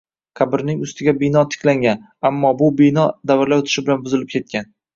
Qabrning ustiga bino tiklangan, ammo bu bino davrlar oʻtishi bilan buzilib ketgan